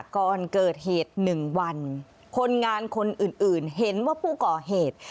ก่อนเกิดเหตุ๑วันคนงานคนอื่นเห็นว่าผู้ก่อเหตุ